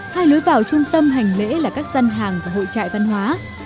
hai lối vào trung tâm hành lễ là các dân hàng và hội trại văn hóa